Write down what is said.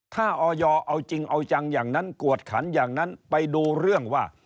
ถ้าออยเอาจริงเอาจังอย่างนั้นกวดขันอย่างนั้นไปดูเรื่องว่า